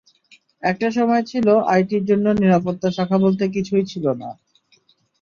একটা সময় ছিল আইটির জন্য নিরাপত্তা শাখা বলতে কিছুই ছিল না।